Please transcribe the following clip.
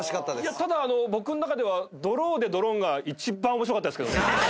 ただ僕の中では「ドローでドロン」が一番面白かったですけどね。